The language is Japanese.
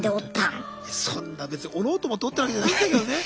そんな別に折ろうと思って折ってるわけじゃないんだけどね。